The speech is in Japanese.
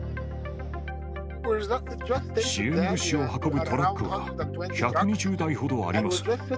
支援物資を運ぶトラックは、１２０台ほどあります。